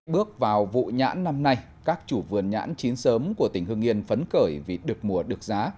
bước vào vụ nhãn năm nay các chủ vườn nhãn chín sớm của tỉnh hương yên phấn cởi vì được mùa được giá